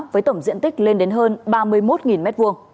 với tổng diện tích lên đến hơn ba mươi một m hai